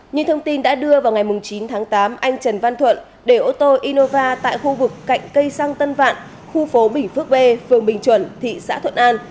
như thông tin đã đưa vào ngày chín tháng tám anh trần văn thuận để ô tô innova tại khu vực cạnh cây xăng tân vạn khu phố bình phước b phường bình chuẩn thị xã thuận an